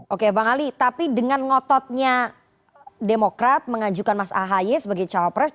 oke bang ali tapi dengan ngototnya demokrat mengajukan mas ahi sebagai calon presiden